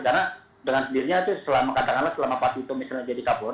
karena dengan sendirinya itu kadang kadang selama pak tito misalnya jadi kapolri